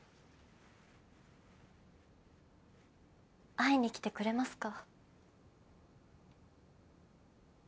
会いに来てくれますか？